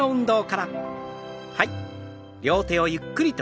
はい。